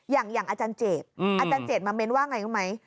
อย่างอาจารย์เจตอาจารย์เจตมาเม้นว่าอย่างไร